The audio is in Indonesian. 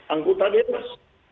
anggota dewan pengawas